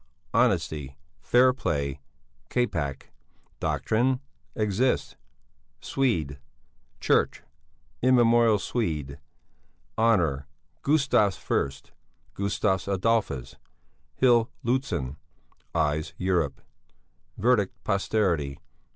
Honesty. Fairplay. Capac. Doctrine. Exist. Swed. Chch. Immemorial Swed. Honour. Gustavus I. Gustavus Adolphus. Hill Lûtzen. Eyes Europe. Verdict posterity.